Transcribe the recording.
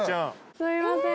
すいません。